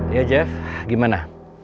ya jeff gimana